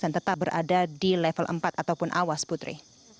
dan tetap berada di level empat ataupun awas putri